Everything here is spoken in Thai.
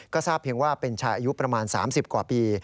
ก็ทราบเพียงว่าเป็นชายอายุประมาณ๓๐กว่าปี